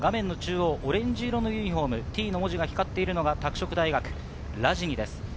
オレンジ色のユニホーム、Ｔの文字が光っているのが拓殖大学、ラジニです。